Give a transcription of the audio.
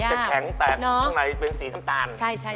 อ้าามะขุดจะแข็งแต่ฝิดที่ข้างในเป็นสีข้ำตาล